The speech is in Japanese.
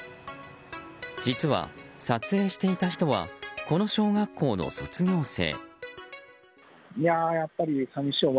実は、撮影していた人はこの小学校の卒業生。